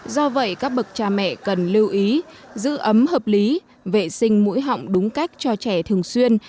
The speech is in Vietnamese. do vậy các bậc cha mẹ cần lưu ý giữ ấm hợp lý vệ sinh mũi họng đúng cách cho trẻ thường xuyên